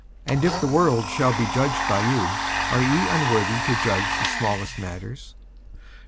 and if the world shall be judged by you, are ye unworthy to judge the smallest matters?